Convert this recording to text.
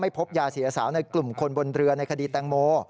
พบยาเสียสาวในกลุ่มคนบนเรือในคดีแตงโม